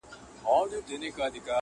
هیله پوره د مخلص هره سي چي,